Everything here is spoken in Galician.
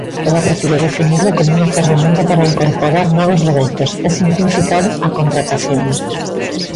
Ela prefire definilo como unha ferramenta para "incorporar novos dereitos" e "simplificar a contratación".